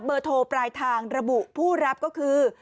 เบอร์โทรปลายทางระบุผู้รับก็คือ